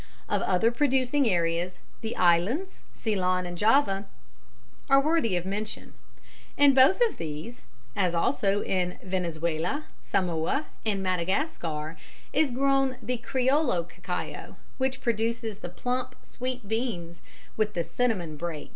Of other producing areas, the islands, Ceylon and Java, are worthy of mention. In both of these (as also in Venezuela, Samoa and Madagascar) is grown the criollo cacao, which produces the plump, sweet beans with the cinnamon "break."